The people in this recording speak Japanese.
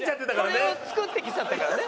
それを作ってきちゃったからね。